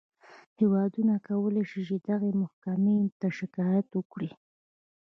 هېوادونه کولی شي دغې محکمې ته شکایت وکړي.